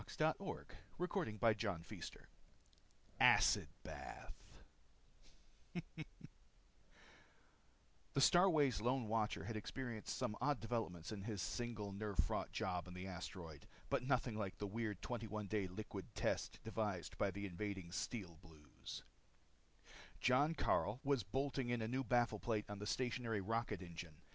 pgdp.net ACID BATH By VASELEOS GARSON _The starways' Lone Watcher had expected some odd developments in his singular, nerve fraught job on the asteroid. But nothing like the weird twenty one day liquid test devised by the invading Steel Blues._ Jon Karyl was bolting in a new baffle plate on the stationary rocket engine.